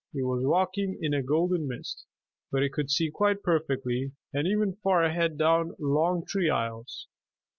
He was walking in a golden mist, but he could see quite perfectly, and even far ahead down long tree aisles.